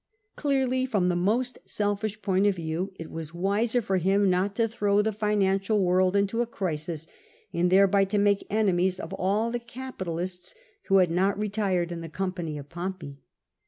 Clearly, from the most selfish point of view, it was wiser for him not to throw the financial world into a crisis, and thereby to make enemies of all the cai^italists who had not retired in the company of Pom])oy.